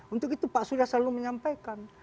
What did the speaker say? untuk itu pak surya selalu menyampaikan